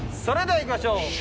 それではいきましょう。